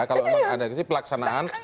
kalau ada kepentingan pelaksanaan